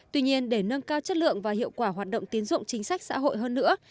tuy nhiên để nâng cao chất lượng và hiệu quả hoạt động tiến dụng chính sách xã hội hơn nữa